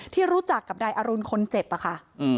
ที่รู้จักกับนายอรุณคนเจ็บอะค่ะ